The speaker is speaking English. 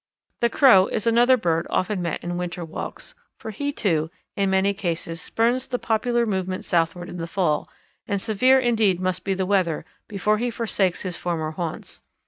The Crow is another bird often met in winter walks, for he, too, in many cases spurns the popular movement southward in the fall, and severe indeed must be the weather before he forsakes his former haunts.